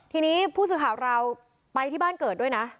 ทีนี้ผู้สื่อข่าวเราไปที่บ้านเกิดด้วยนะ